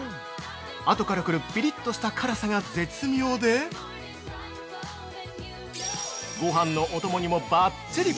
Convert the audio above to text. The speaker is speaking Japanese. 後から来るピリッとした辛さが絶妙でごはんのお供にもバッチリ！